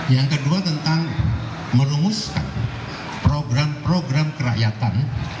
yang kedua tentang merumuskan program program kerakyatan